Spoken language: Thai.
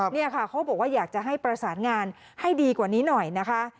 นี่ค่ะเขาบอกว่าอยากจะให้ประสานงานให้ดีกว่านี้หน่อยนะคะ